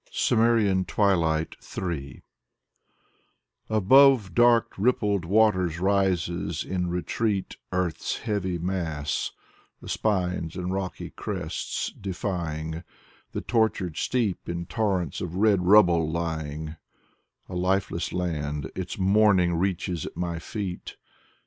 Maximilian Voloshin 115 CIMMERIAN TWILIGHT III Above dark, rippled waters rises in retreat Earth's heavy mass: the spines and rocky crests defying The tortured steep in torrents of red rubble lying — A lifeless land, its mourning reaches at my feet.